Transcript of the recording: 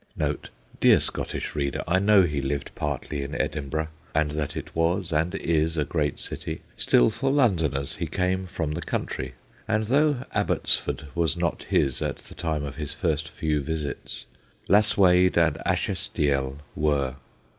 (Dear Scottish reader, I know he lived pai'tly in Edinburgh, and that it was and is a great city : still, for Londoners he came from the country, and though Abbotsford was not his at the time of his first few visits, Lasswade and Ashestiel were.)